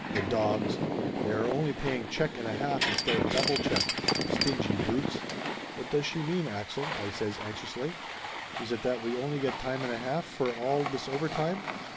"The dogs ! They are only paying check and a half instead of double check! The stingy brutes!" "What does she mean, Axel?" I says anxiously. "Is it that we only get time and a half for all this over time?